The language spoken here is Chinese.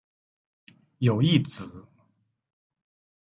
有一子。